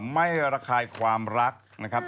ไม่ระคายความรักนะครับ